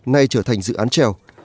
nay trở thành dự án trèo